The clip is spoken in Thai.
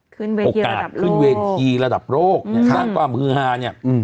คืนเวทีระดับโลกค่านกว่ามือหาเนี่ย